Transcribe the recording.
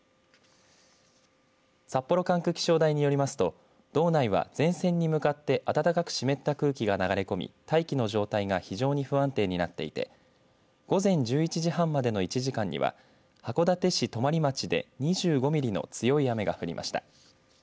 札幌管区気象台によりますと道内は前線に向かって暖かく湿った空気が流れ込み大気の状態が非常に不安定になっていて午前１１時半までの１時間には函館市泊町で２５ミリの強い雨が降りました。